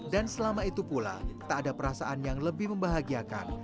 dan selama itu pula tak ada perasaan yang lebih membahagiakan